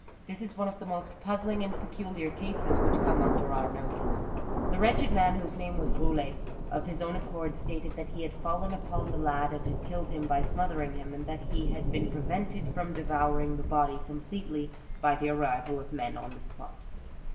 This is one of the most puzzling and peculiar cases which como under our notice. ^The wretched man, whose name was Boulet^ of his own accord stated that he had fallen upon the lad and had killed him by smothering him, and that he had been prevented from devouring the body completely by the arrival of men on the spot.